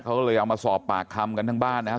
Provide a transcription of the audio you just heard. เขาก็เลยเอามาสอบปากคำกันทั้งบ้านนะครับ